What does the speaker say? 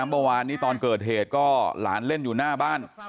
เมื่อวานนี้ตอนเกิดเหตุก็หลานเล่นอยู่หน้าบ้าน